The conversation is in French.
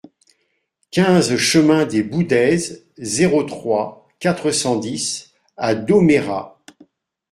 quinze chemin des Boudaises, zéro trois, quatre cent dix à Domérat